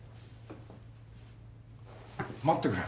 待ってくれ。